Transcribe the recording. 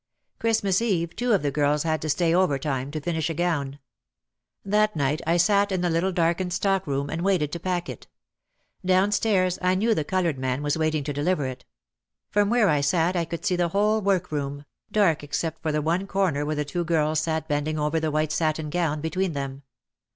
Christmas Eve two of the girls had to stay over time to finish a gown. That night I sat in the little darkened stock room and waited to pack it; downstairs I knew the coloured man was waiting to deliver it. From where I sat I could see the whole workroom, dark except for the one corner where the two girls sat bending over the white satin gown between them.